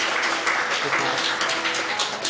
失礼します。